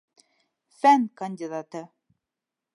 Фән кандидаты!